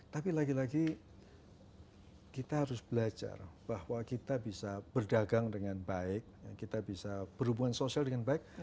tapi lagi lagi kita harus belajar bahwa kita bisa berdagang dengan baik kita bisa berhubungan sosial dengan baik